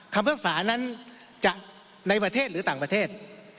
คำพิพากษานั้นจะในประเทศหรือต่างประเทศ